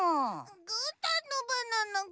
ぐーたんのバナナぐ？